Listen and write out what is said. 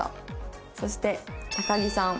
そして高木さん。